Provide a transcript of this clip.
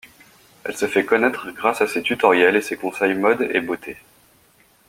Elle se fait connaitre grâce à ses tutoriels et ses conseils mode et beauté.